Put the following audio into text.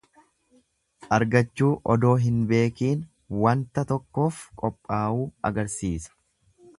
Argachuu odoo hin beekiin wanta tokkoof qophaawuu agarsiisa.